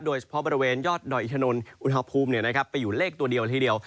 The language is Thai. โดยเฉพาะบริเวณยอดดอยอินทนนท์อุณหภูมิไปอยู่เลขตัวเดียวละทีเดียว